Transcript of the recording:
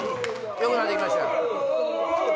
よくなってきましたよ。